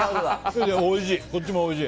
おいしい。